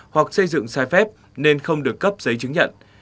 hoặc xây dựng sai phép nên không được cấp giấy chứng nhận